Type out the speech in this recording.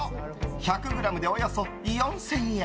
１００ｇでおよそ４０００円。